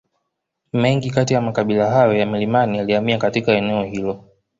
Mengi kati ya makabila hayo ya milimani yalihamia katika eneo hilo